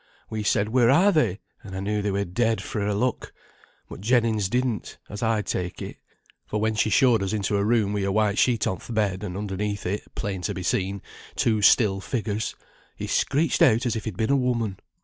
We said, 'Where are they?' and I knew they were dead, fra' her look; but Jennings didn't, as I take it; for when she showed us into a room wi' a white sheet on th' bed, and underneath it, plain to be seen, two still figures, he screeched out as if he'd been a woman.